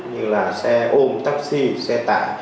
như là xe ôm taxi xe tải